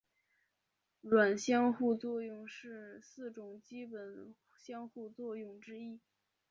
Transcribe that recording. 弱相互作用是四种基本相互作用之一。